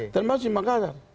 dan maksudnya siapa yang marah